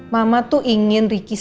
mama tuh ingin ricky